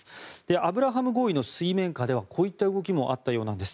アブラハム合意の水面下ではこういった動きもあったようなんです。